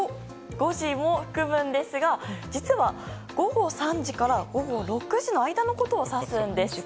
５時も含むんですが午後３時から午後６時の間のことを指すんです。